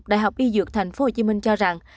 đại học y dược tp hcm cho rằng